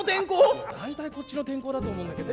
いや大体こっちの転校だと思うんだけど。